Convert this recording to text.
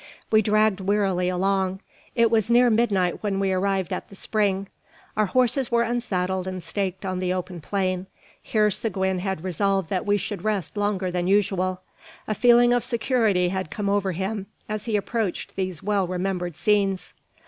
We dragged wearily along. It was near midnight when we arrived at the spring. Our horses were unsaddled and staked on the open plain. Here Seguin had resolved that we should rest longer than usual. A feeling of security had come over him as he approached these well remembered scenes.